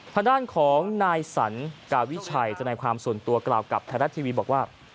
ทางด้านของนายสันกาวิชัยทนายความส่วนตัวกล่าวกับไทยรัฐทีวีบอกว่า